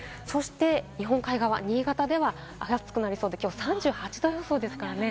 日本海側、新潟では暑くなりそうで、きょうは３８度予想です。